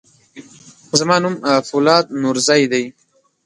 زما نوم فولاد نورزی دی.